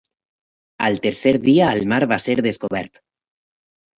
Al tercer dia al mar va ser descobert.